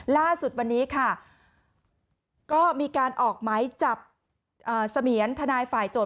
ล่าสุดวันนี้ค่ะก็มีการออกหมายจับเสมียนทนายฝ่ายโจทย